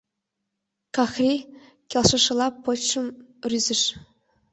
Кӓхри келшышыла почшым рӱзыш.